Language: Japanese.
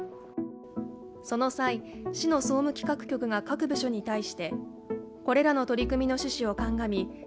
その際、市の総務企画局が各部署に対して、これらの取り組みの趣旨を鑑み弔旗